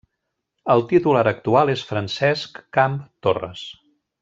El titular actual és Francesc Camp Torres.